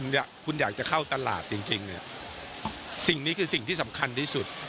เนี่ยคุณอยากจะเข้าตลาดจริงจริงเนี่ยสิ่งนี้คือสิ่งที่สำคัญที่สุด